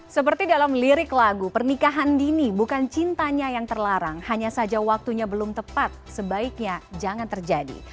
seperti dalam lirik lagu pernikahan dini bukan cintanya yang terlarang hanya saja waktunya belum tepat sebaiknya jangan terjadi